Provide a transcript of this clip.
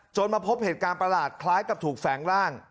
มาพบเหตุการณ์ประหลาดคล้ายกับถูกแฝงร่าง